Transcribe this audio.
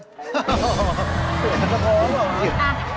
อ๋ออยู่สะพ้อเหรอ